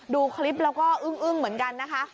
ดูคลิปแล้วก็อึ้งเหมือนกันนะคะ